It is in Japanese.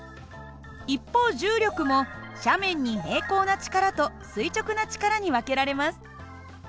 一方重力も斜面に平行な力と垂直な力に分けられます。